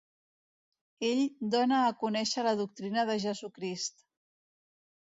Ell dona a conèixer la doctrina de Jesucrist.